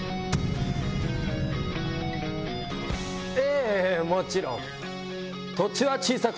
ええもちろん。